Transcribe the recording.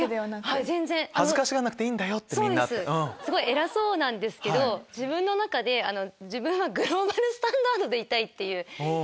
偉そうなんですけど自分の中で自分はグローバルスタンダードでいたいっていう気持ちが。